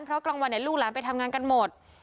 เพราะกลางวันลูกหลานไปทำงานกันหมด